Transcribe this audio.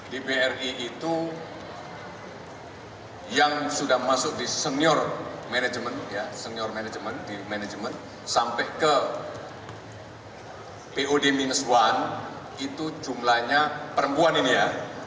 di bri itu yang sudah masuk di senior management di manajemen sampai ke pod minus satu itu jumlahnya perempuan ini ya